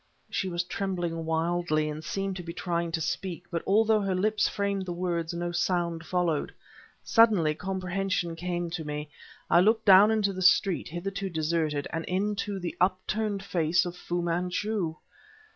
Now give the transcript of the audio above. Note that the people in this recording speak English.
She was trembling wildly and seemed to be trying to speak, but although her lips framed the words no sound followed. Suddenly comprehension came to me. I looked down into the street, hitherto deserted... and into the upturned face of Fu Manchu.